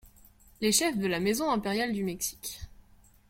Les chefs de la Maison impériale du Mexique.